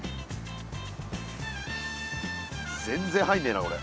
全然入んねえなこれ。